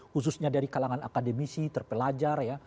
khususnya dari kalangan akademisi terpelajar ya